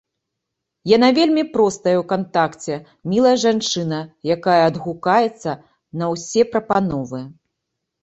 Яна вельмі простая ў кантакце, мілая жанчына, якая адгукаецца на ўсе прапановы.